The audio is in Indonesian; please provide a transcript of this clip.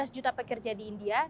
lima belas juta pekerja di india